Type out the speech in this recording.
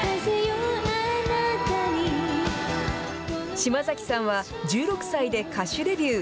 島崎さんは１６歳で歌手デビュー。